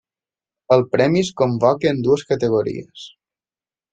El premi es convoca en dues categories: